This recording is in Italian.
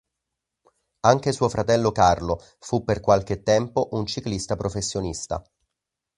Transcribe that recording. Anche suo fratello Carlo fu per qualche tempo un ciclista professionista.